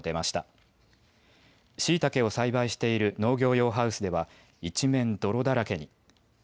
しいたけを栽培している農業用ハウスでは一面泥だらけに。